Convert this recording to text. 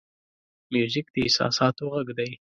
موزیک د احساساتو غږ دی.